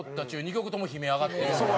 曲とも悲鳴上がってるから。